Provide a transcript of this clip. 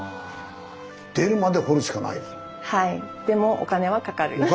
でもお金はかかる。